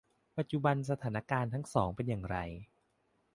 ปัจจุบันสถานการณ์ทั้งสองอย่างเป็นอย่างไร ?